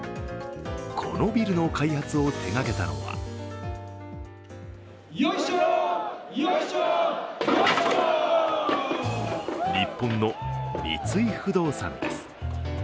このビルの開発を手がけたのは日本の三井不動産です。